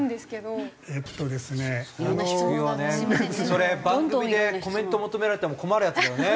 それ番組でコメント求められても困るやつだよね。